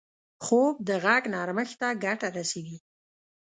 خوب د غږ نرمښت ته ګټه رسوي